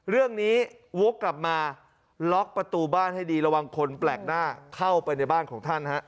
วกกลับมาล็อกประตูบ้านให้ดีระวังคนแปลกหน้าเข้าไปในบ้านของท่านฮะ